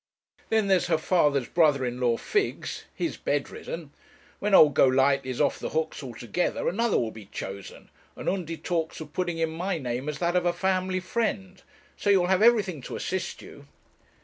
Then there's her father's brother in law, Figgs; he's bedridden. When old Golightly is off the hooks altogether, another will be chosen, and Undy talks of putting in my name as that of a family friend; so you'll have everything to assist you.'